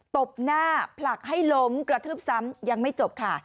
ตบหน้าผลักให้ล้มกระทืบซ้ำยังไม่จบค่ะ